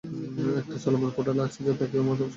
একটা চলমান পোর্টালে আছি যাতে কেউ আমাদের সন্ধান না পায়।